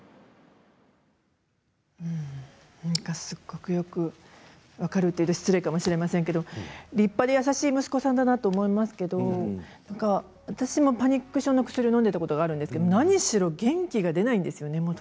すごくよく分かるというと失礼かもしれませんけど立派で優しい息子さんだなと思いますけれど私もパニック症の薬をのんだことがあるんですけれども何しろ元気が出ないんですよね。